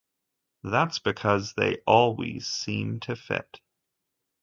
That's because they always seem to fit.